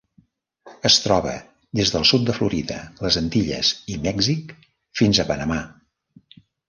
Es troba des del sud de Florida, les Antilles i Mèxic fins a Panamà.